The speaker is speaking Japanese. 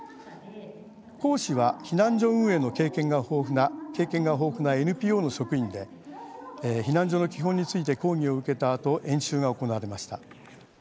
講師は避難所運営の経験が豊富なＮＰＯの職員で避難所の基本について講義を受けたあと演習が行われました。